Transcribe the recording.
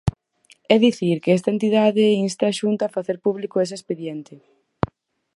É dicir, que esta entidade inste a Xunta a facer público ese expediente.